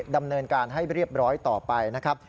ดำเนินการให้เรียบร้อยต่อไปนะครับ